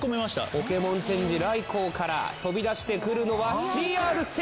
ポケモンチェンジ飛び出してくるのはＣＲ７！